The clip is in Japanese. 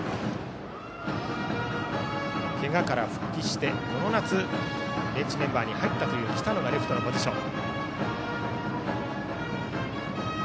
けがから復帰してこの夏ベンチメンバーに入った北野がレフトのポジション。